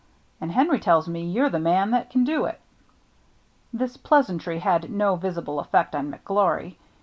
" And Henry tells me you're the man that can do it." This pleasantry had no visible effect on McGlory.